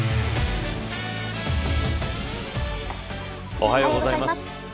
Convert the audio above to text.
おはようございます。